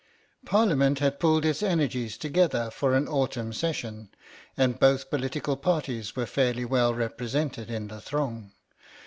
Parliament had pulled its energies together for an Autumn Session, and both political Parties were fairly well represented in the throng.